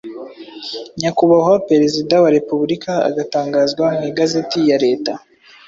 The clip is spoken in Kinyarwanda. Nyakubahwa Perezida wa Repubulika agatangazwa mu Igazeti ya Leta